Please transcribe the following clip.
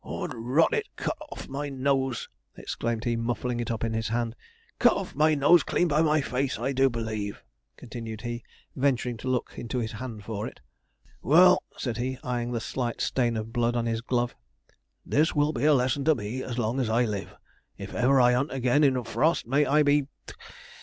''Ord rot it, cut off my nose!' exclaimed he, muffling it up in his hand. 'Cut off my nose clean by my face, I do believe,' continued he, venturing to look into his hand for it. 'Well,' said he, eyeing the slight stain of blood on his glove, 'this will be a lesson to me as long as I live. If ever I 'unt again in a frost, may I be